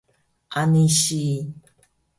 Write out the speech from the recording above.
Ani si